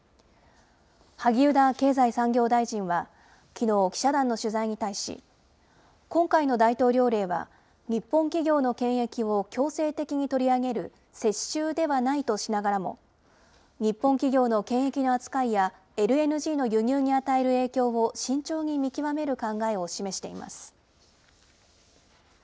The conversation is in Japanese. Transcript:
萩生田経済産業大臣は、きのう、記者団の取材に対し、今回の大統領令は日本企業の権益を強制的に取り上げる接収ではないとしながらも、日本企業の権益の扱いやＬＮＧの輸入に与える影響を慎重に見極める考えを示しています。